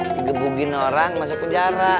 ini ngebugin orang masuk penjara